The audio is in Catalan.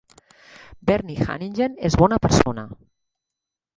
Bernie Hanighen és bona persona.